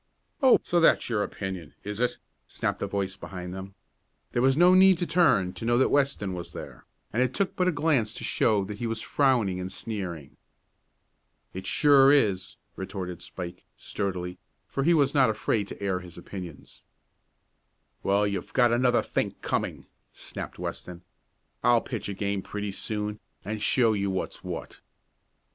"Oh, so that's your opinion; is it?" snapped a voice behind them. There was no need to turn to know that Weston was there, and it took but a glance to show that he was frowning and sneering. "It sure is," retorted Spike, sturdily, for he was not afraid to air his opinions. "Well, you've got another think coming," snapped Weston. "I'll pitch a game pretty soon, and show you what's what."